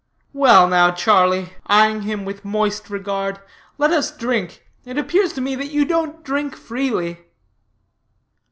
"Well now, Charlie," eying him with moist regard, "let us drink. It appears to me you don't drink freely."